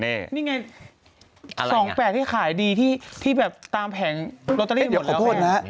นี่ไงสองแปดที่ขายดีที่ที่แบบตามแผงเอ๊ะเดี๋ยวขอโทษนะ